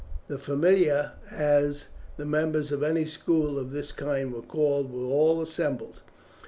The familia, as the members of any school of this kind were called, were all assembled.